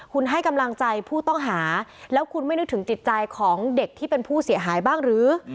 คุณให้กำลังใจผู้ต้องหาแล้วคุณไม่นึกถึงจิตใจของเด็กที่เป็นผู้เสียหายบ้างหรือ